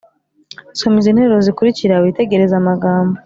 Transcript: Soma izi nteruro zikurikira witegereze amagambo